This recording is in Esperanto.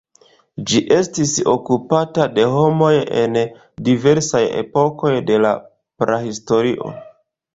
Ĝi estis okupata de homoj en diversaj epokoj de la Prahistorio.